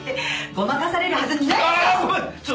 ごまかされるはずないでしょ！